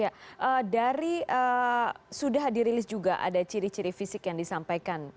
ya dari sudah dirilis juga ada ciri ciri fisik yang disampaikan